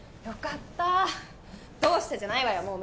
よかった「どうした」じゃないわよ！